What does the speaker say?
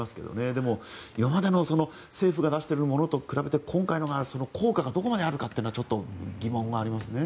でも、今までの政府が出してるものと比べて今回のが効果がどこまであるかはちょっと疑問はありますね。